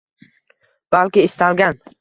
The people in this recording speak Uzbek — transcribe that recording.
balki istalgan